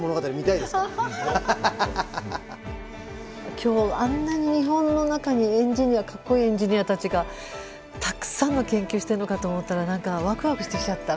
今日あんなに日本の中にエンジニアかっこいいエンジニアたちがたくさんの研究してるのかと思ったら何かワクワクしてきちゃった。